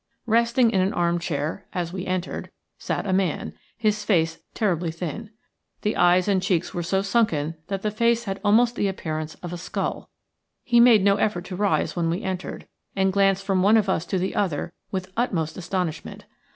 Resting in an arm chair, as we entered, sat a man; his face was terribly thin. The eyes and cheeks were so sunken that the face had almost the appearance of a skull. He made no effort to rise when we entered, and glanced from one of us to the other with the utmost astonishment.